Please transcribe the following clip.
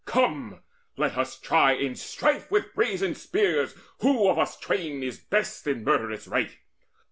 Come, let us try in strife with brazen spears Who of us twain is best in murderous right!